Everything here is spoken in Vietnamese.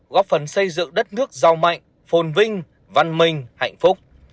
góp phần xây dựng đất nước giàu mạnh phồn vinh văn minh hạnh phúc